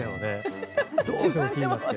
どうしても気になって。